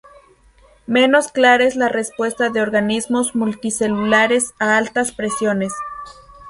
Menos clara es la respuesta de organismos multicelulares a altas presiones.